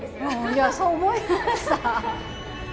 いやそう思いました。